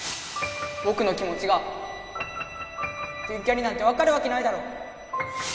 ぼくの気もちが電キャになんてわかるわけないだろ！